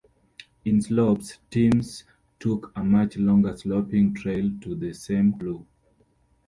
In Slopes, teams took a much longer sloping trail to the same clue.